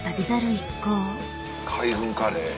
一行海軍カレー。